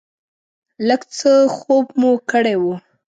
لږ څه خوب مو کړی و.